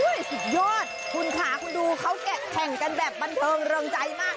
สุดยอดคุณค่ะคุณดูเขาแกะแข่งกันแบบบันเทิงเริงใจมาก